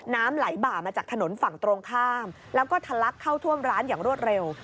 น้ำไหลบ่ามาจากถนนฝั่งตรงข้ามแล้วก็ทะลักเข้าท่วมร้านอย่างรวดเร็ว